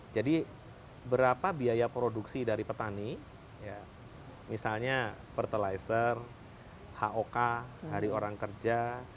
jadi berapa biaya produksi dari petani misalnya fertilizer hok hari orang kerja